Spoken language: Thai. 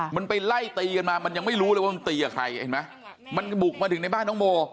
มันไปไล่ตีกันมามันยังไม่รู้เลยว่ามันตีกับใครเห็นไหมมันบุกมาถึงในบ้านน้องโม